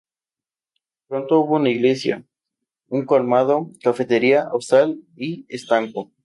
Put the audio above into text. Pronto hubo una iglesia y un colmado, cafetería, hostal y estanco.